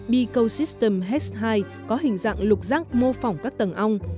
bicosystem x hai có hình dạng lục rắc mô phỏng các tầng ong